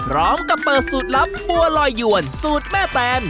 พร้อมกับเปิดสูตรลับบัวลอยยวนสูตรแม่แตน